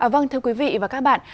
vâng thưa quý vị và các bạn